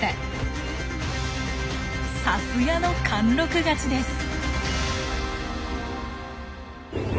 さすがの貫禄勝ちです。